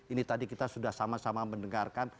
ini tadi kita sudah sama sama mendengarkan